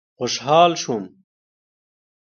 خوشحال شوم.